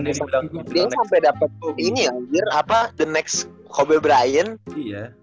dia sampe dapet tuh ini anjir apa the next kobe bryant